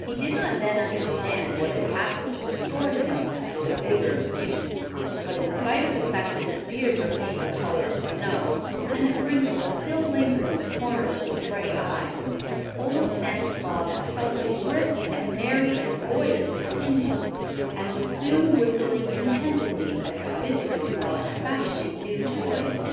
He did not then understand what had happened to restore to him the vigor of youth, but in spite of the fact that his beard remained the color of snow and that wrinkles still lingered in the corners of his bright eyes, old Santa Claus felt as brisk and merry as a boy of sixteen, and was soon whistling contentedly as he busied himself fashioning new toys.